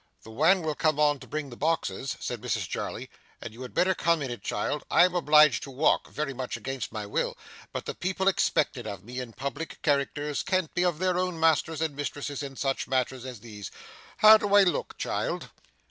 'The wan will come on to bring the boxes,' said Mrs Jarley, and you had better come in it, child. I am obliged to walk, very much against my will; but the people expect it of me, and public characters can't be their own masters and mistresses in such matters as these. How do I look, child?